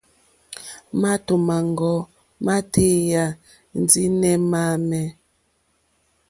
Máàtò mâŋɡɔ́ mátéyà ndí né máǃámɛ̀.